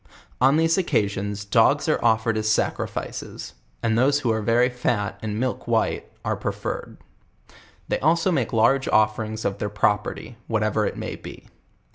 On these occasions dogs are offered as sacrifices; and those who arc very fat, and milk white, are preferred. They also make large offer ings of their property, whatever it may be.